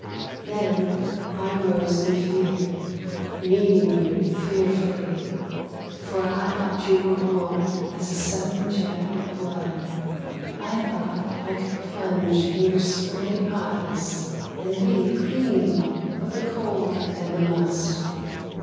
Then I rose in fear, needing you fearfully, For I thought you were warm as a sudden jet of blood. I thought I could plunge in your spurting hotness, and be Clean of the cold and the must.